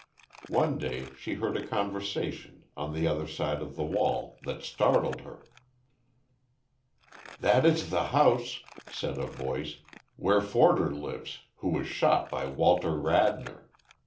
One day she heard a conversation on the other side of the wall that startled her. "That is the house," said a voice, "where Forder lives, who was shot by Walter Radnor.